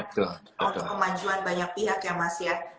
untuk kemajuan banyak pihak ya mas ya